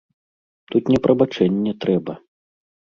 Тут не прабачэнне трэба.